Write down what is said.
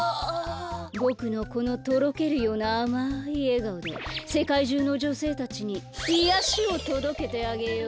ぼくのこのとろけるようなあまいえがおでせかいじゅうのじょせいたちにいやしをとどけてあげよう。